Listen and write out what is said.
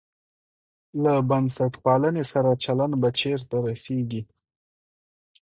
له بنسټپالنې سره چلند به چېرته رسېږي.